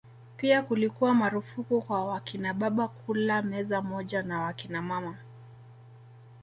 Pia kulikuwa marufuku kwa wakinababa kula meza moja na wakinamama